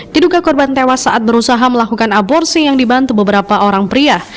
diduga korban tewas saat berusaha melakukan aborsi yang dibantu beberapa orang pria